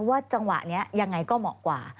ว่าจังหวะนี้ยังไงก็เหมาะกว่า